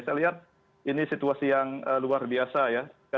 saya lihat ini situasi yang luar biasa ya